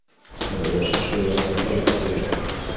Bere gurasoak suediar jatorrikoak ziren.